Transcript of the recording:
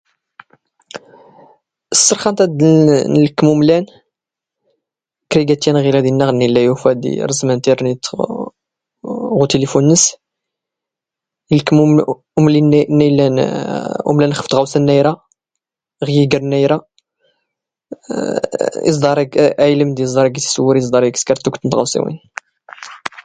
Ssrxant ad nlkmn umlan, kraygatt yan ɣilad inna ɣ nn illa yufa ad iṛẓm antirnit ɣ utilifun nns, ilkm umli nna illan, umlan xf tɣawsa nna ira, ɣ yigr nna ira. Iẓḍaṛ a ilmd, iẓḍaṛ a gis iswuri, iẓḍaṛ a gis iskar tugtt n tɣawsiwin.